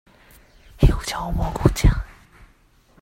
黑胡椒或蘑菇醬